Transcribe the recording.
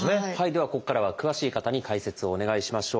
ではここからは詳しい方に解説をお願いしましょう。